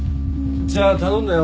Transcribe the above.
じゃあ頼んだよ